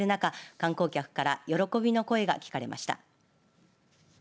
観光客から喜びの声が聞かれました。